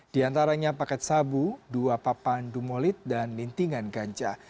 di antaranya paket sabu dua papan dumolit dan lintingan ganja